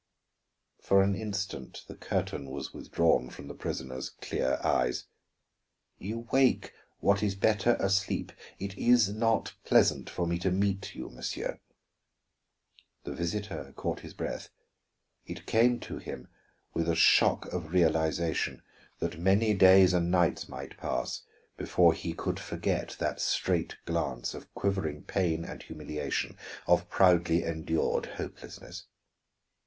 For an instant the curtain was withdrawn from the prisoner's clear eyes. "You wake what is better asleep. It is not pleasant for me to meet you, monsieur." The visitor caught his breath. It came to him with a shock of realization that many days and nights might pass before he could forget that straight glance of quivering pain and humiliation, of proudly endured hopelessness.